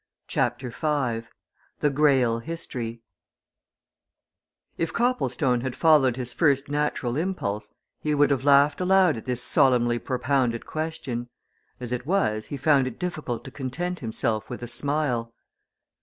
CHAPTER V THE GREYLE HISTORY If Copplestone had followed his first natural impulse, he would have laughed aloud at this solemnly propounded question: as it was, he found it difficult to content himself with a smile.